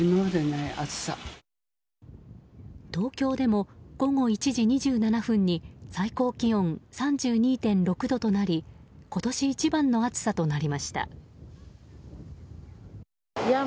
東京でも午後１時５７分に最高気温３２．６度となり今年一番の暑さとなりました。